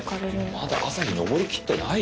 まだ朝日昇りきってないよ。